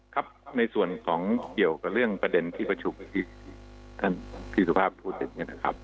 ครับในส่วนของเกี่ยวกับเรื่องประเด็นที่ประชุมที่ท่านพี่สุภาพพูดถึงเนี่ยนะครับ